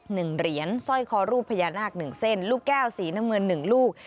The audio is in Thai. ๑เหรียญสร้อยคอรูปพญานาค๑เส้นลูกแก้วสีน้ำเงิน๑ลูก